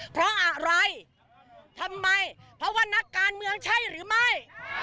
เพราะอะไรทำไมเพราะว่านักการเมืองใช่หรือไม่